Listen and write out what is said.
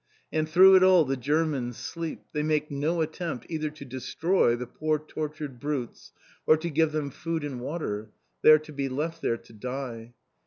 And through it all the Germans sleep, they make no attempt either to destroy the poor tortured brutes, or to give them food and water, they are to be left there to die.